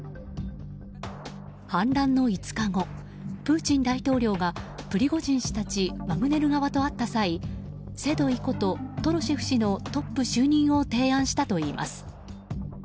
反乱の５日後プーチン大統領がプリゴジン氏たちワグネル側と会った際セドイことトロシェフ氏のトップ就任を提案したといいます。